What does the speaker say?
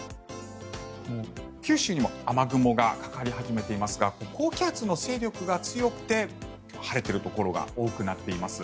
九州にも雨雲がかかり始めていますが高気圧の勢力が強くて晴れているところが多くなっています。